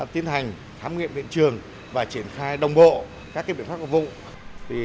tiến hành thám nghiệm biện trường và triển khai đồng bộ các biện pháp công vụ